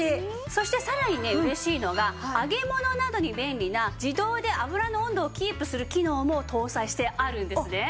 そしてさらにね嬉しいのが揚げ物などに便利な自動で油の温度をキープする機能も搭載してあるんですね。